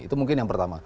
itu mungkin yang pertama